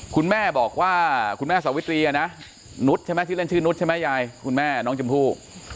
คุณแม่บอกว่าคุณแม่สวิตรีนุษย์ใช่ไหมชื่อเล่นชื่อนุษย์ใช่ไหมยายคุณแม่น้องชมพู่